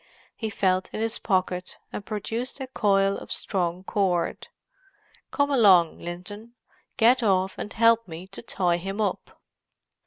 He felt in his pocket, and produced a coil of strong cord. "Come along, Linton—get off and help me to tie him up."